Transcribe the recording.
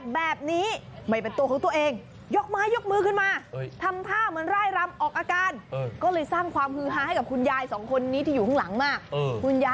แบบเนี้ยยายงงยายงงยายบอกยืนงงในดงป่าช้า